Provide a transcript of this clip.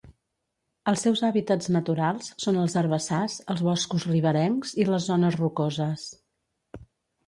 Els seus hàbitats naturals són els herbassars, els boscos riberencs i les zones rocoses.